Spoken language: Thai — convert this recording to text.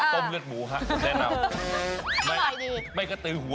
ต้มเลือดหมูค่ะคุณแนะนำ